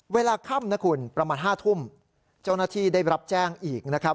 เวลาค่ำนะคุณประมาณ๕ทุ่มเจ้าหน้าที่ได้รับแจ้งอีกนะครับ